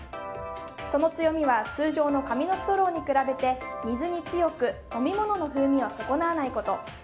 その強みは通常の紙のストローに比べて水に強く飲み物の風味を損なわないこと。